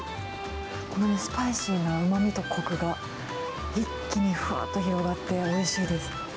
このスパイシーなうまみとこくが、一気にふわっと広がって、おいしいです。